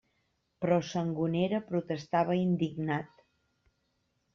Però Sangonera protestava indignat.